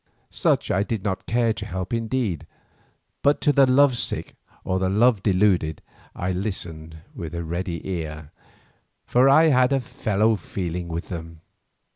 Such I did not care to help indeed, but to the love sick or the love deluded I listened with a ready ear, for I had a fellow feeling with them.